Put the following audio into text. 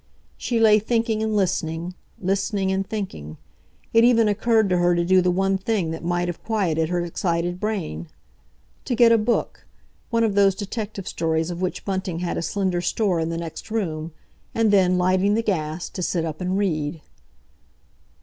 She lay thinking and listening—listening and thinking. It even occurred to her to do the one thing that might have quieted her excited brain—to get a book, one of those detective stories of which Bunting had a slender store in the next room, and then, lighting the gas, to sit up and read.